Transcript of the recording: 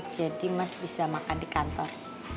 jadi mas bisa makan di kantor